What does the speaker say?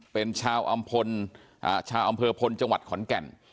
เป็นชาวอำเภอปนจังหวัดขอนแก่น